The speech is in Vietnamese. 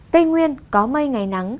tây nguyên có mây ngày nắng